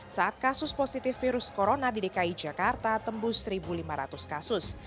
saat kasus positif virus corona di dki jakarta tembus satu lima ratus kasus